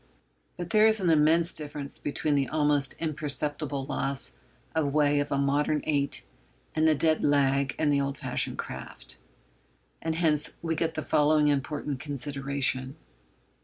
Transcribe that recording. But there is an immense difference between the almost imperceptible loss of way of a modern eight and the dead 'lag' in the old fashioned craft. And hence we get the following important consideration.